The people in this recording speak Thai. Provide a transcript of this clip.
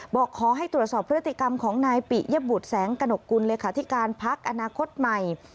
บอกขอให้ตรวจสอบพฤติกรรมของนายปิยบุตรแสงกระหนกกุลเลขาธิการพักอนาคตใหม่